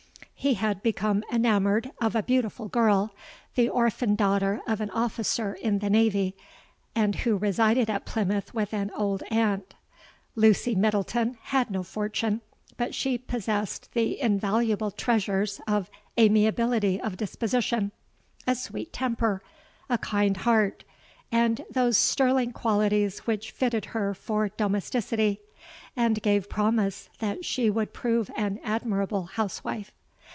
He had become enamoured of a beautiful girl, the orphan daughter of an officer in the Navy, and who resided at Plymouth with an old aunt. Lucy Middleton had no fortune; but she possessed the invaluable treasures of amiability of disposition—a sweet temper—a kind heart—and those sterling qualities which fitted her for domesticity, and gave promise that she would prove an admirable housewife.